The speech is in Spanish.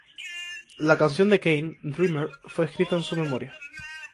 La canción de Kane, "Dreamer", fue escrito en su memoria.